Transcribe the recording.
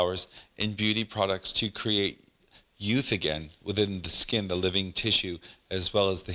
เพราะให้ความรู้สึกสดชื่นใกล้ชิดธรรมชาติ